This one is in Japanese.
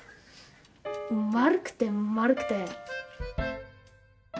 丸くて丸くて。